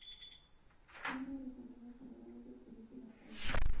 Fue uno de los alumnos fundadores del Colegio La Salle.